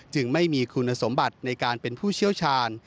จึงไม่มีคุณสมบัติในการเป็นผู้เชี่ยวชาญ